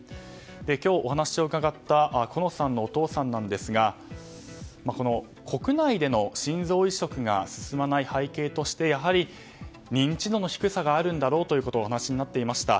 今日、お話を伺った好乃さんのお父さんですが国内での心臓移植が進まない背景としてやはり認知度の低さがあるんだろうとお話になっていました。